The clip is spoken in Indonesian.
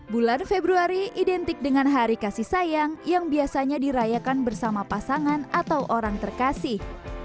bulan februari identik dengan hari kasih sayang yang biasanya dirayakan bersama pasangan atau orang terkasih